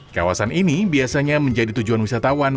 kawasan ini biasanya menjadi tujuan wisatawan